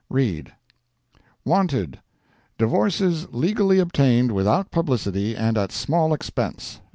Read: WANTED—Divorces legally obtained without publicity, and at small expense.